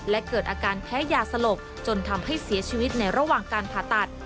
และเกิดอาการแพ้ยาสลบจนทำให้เสียชีวิตในระหว่างการผ่าตัด